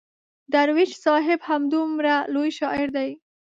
درویش صاحب همدومره لوی شاعر دی.